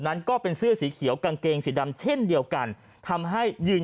นั้นก็เป็นเสื้อสีเขียวกางเกงสีดำเช่นเดียวกันทำให้ยืน